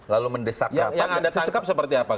lalu mendesak rapat yang anda tangkap seperti apa